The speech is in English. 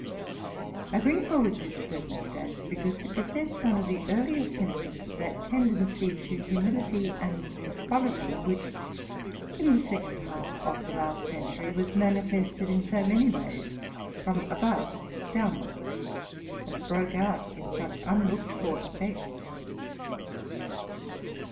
1 bring forward this circumstance, because it pre sents one of the earlier symptoms of that tendency to humility and equality, which, in the second half of the last century, was manifested in so many ways, from above down ward, and broke out in such unlooked for effects.